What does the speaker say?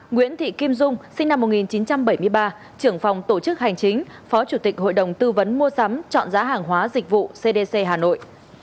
nguyễn thị kim dung sinh năm một nghìn chín trăm bảy mươi ba trưởng phòng tổ chức hành chính phó chủ tịch hội đồng tư vấn mua sắm chọn giá hàng hóa dịch vụ cdc hà nội